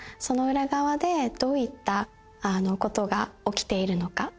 その裏側でどういったことが起きているのか。